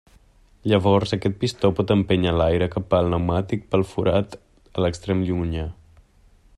Llavors aquest pistó pot empènyer l'aire cap al pneumàtic pel forat a l'extrem llunyà.